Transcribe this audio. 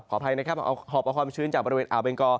อภัยนะครับหอบเอาความชื้นจากบริเวณอ่าวเบงกอ